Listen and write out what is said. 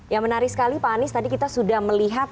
ya menarik sekali pak anies tadi kita sudah melihat